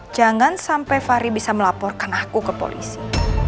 jangan sampai fahri bisa melaporkan aku ke polisi